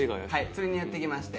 釣りにやって来まして。